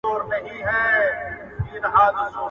هغه څوک چي مينه څرګندوي مهربان وي!!